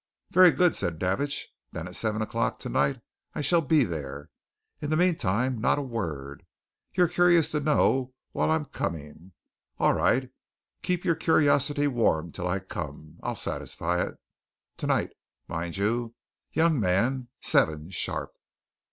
"Very good," said Davidge. "Then at seven o'clock tonight I shall be there. In the meantime not a word. You're curious to know why I'm coming? All right keep your curiosity warm till I come I'll satisfy it. Tonight, mind, young man seven, sharp!"